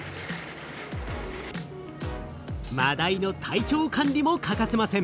マダイの体調管理も欠かせません。